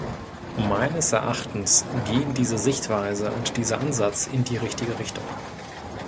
Meines Erachtens gehen diese Sichtweise und dieser Ansatz in die richtige Richtung.